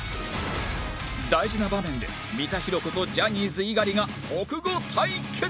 大事な場面で三田寛子とジャニーズ猪狩が国語対決！